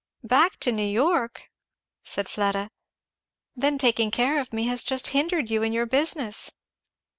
"Back to New York!" said Fleda. "Then taking care of me has just hindered you in your business."